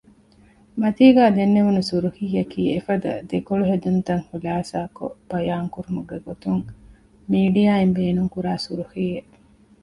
މަތީގައި ދެންނެވުނު ސުރުޚީއަކީ އެފަދަ ދެކޮޅުހެދުންތައް ޚުލާޞާކޮށް ބަޔާން ކުރުމުގެ ގޮތުން މީޑިއާއިން ބޭނުންކުރާ ސުރުޚީއެއް